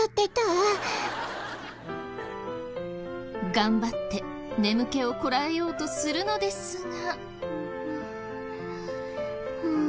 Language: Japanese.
頑張って眠気をこらえようとするのですが。